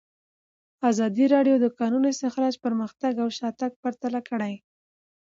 ازادي راډیو د د کانونو استخراج پرمختګ او شاتګ پرتله کړی.